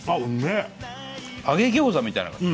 揚げ餃子みたいな感じ？